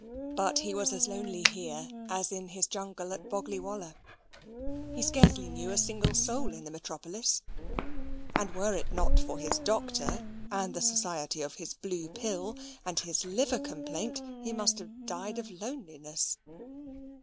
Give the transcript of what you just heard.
But he was as lonely here as in his jungle at Boggley Wollah. He scarcely knew a single soul in the metropolis: and were it not for his doctor, and the society of his blue pill, and his liver complaint, he must have died of loneliness.